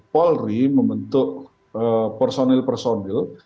polri membentuk personil personil